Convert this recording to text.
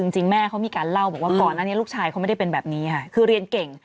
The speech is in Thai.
ที่พี่อาจพูดพี่ดาก็เลยเรียนเขียน